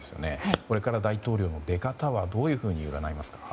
これから大統領の出方はどういうふうに占いますか。